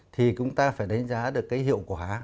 thì chúng ta phải đánh giá được cái hiệu quả